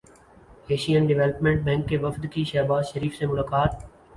Asian Development Bank کے وفد کی شہباز شریف سے ملاقات